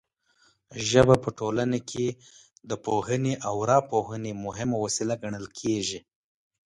ژبه په ټولنه کې د پوهونې او راپوهونې مهمه وسیله ګڼل کیږي.